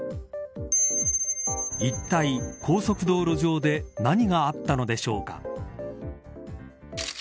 いったい高速道路上で何があったのでしょうか。